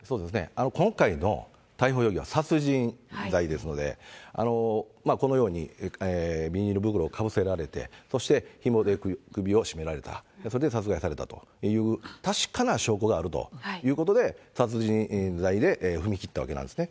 今回の逮捕容疑は殺人罪ですので、このようにビニール袋をかぶせられて、そしてひもで首を絞められた、それで殺害されたという、確かな証拠があるということで、殺人罪で踏み切ったわけなんですね。